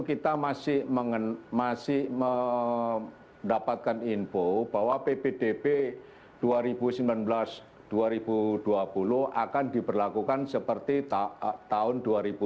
kita masih mendapatkan info bahwa ppdb dua ribu sembilan belas dua ribu dua puluh akan diberlakukan seperti tahun dua ribu dua puluh